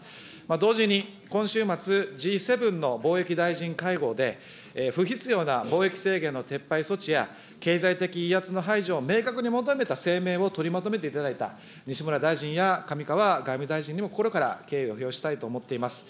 同時に今週末、Ｇ７の貿易大臣会合で、不必要な貿易制限の撤廃措置や、経済的威圧の排除を明確に求めた声明を取りまとめていただいた西村大臣や上川外務大臣にも、心から敬意を表したいと思っています。